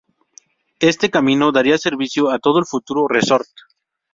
Este camino daría servicio a todo el futuro "resort".